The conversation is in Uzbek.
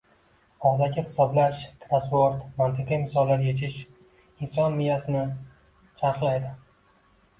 Og‘zaki hisoblash, krossvord, mantiqiy misollar yechish inson miyasini charxlaydi.